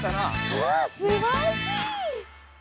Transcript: うんすばらしい！